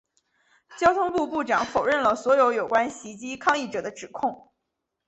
交通部部长否认了所有有关袭击抗议者的指控。